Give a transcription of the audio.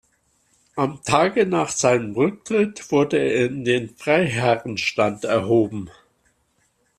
Am Tage nach seinem Rücktritt wurde er in den Freiherrenstand erhoben.